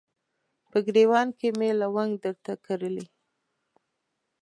په ګریوان کې مې لونګ درته کرلي